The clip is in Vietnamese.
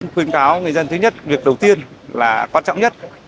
khuyên cáo người dân thứ nhất việc đầu tiên là quan trọng nhất